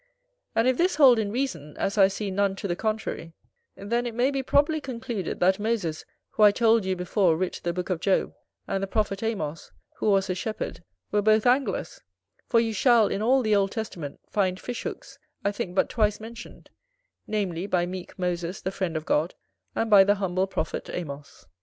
And if this hold in reason, as I see none to the contrary, then it may be probably concluded, that Moses, who I told you before writ the book of Job, and the Prophet Amos, who was a shepherd, were both Anglers; for you shall, in all the Old Testament, find fish hooks, I think but twice mentioned, namely, by meek Moses the friend of God, and by the humble prophet Amos.